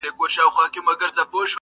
• خو بدلون بشپړ نه وي هېڅکله..